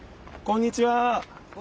こんにちは！